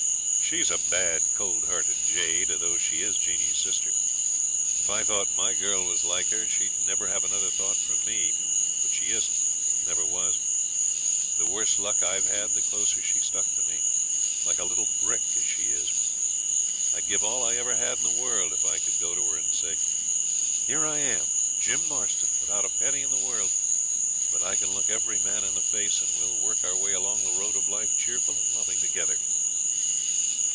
'She's a bad, cold hearted jade, though she is Jeanie's sister. If I thought my girl was like her she'd never have another thought from me, but she isn't, and never was. The worse luck I've had the closer she's stuck to me, like a little brick as she is. I'd give all I ever had in the world if I could go to her and say, "Here I am, Jim Marston, without a penny in the world, but I can look every man in the face, and we'll work our way along the road of life cheerful and loving together."